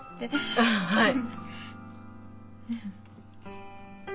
ああはい。